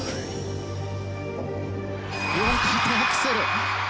４回転アクセル。